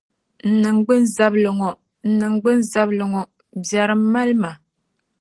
N niŋgbunzabili ŋɔ, n niŋgbunzabili ŋɔ! Biɛrim mali ma.